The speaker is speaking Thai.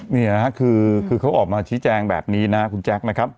นี่นะครับคือเขาออกมาชี้แจงแบบนี้นะคุณแจ๊คนะครับ